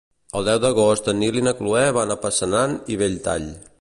El deu d'agost en Nil i na Cloè van a Passanant i Belltall.